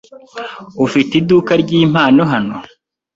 Ufite iduka ryimpano hano?